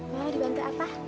mama dibantu apa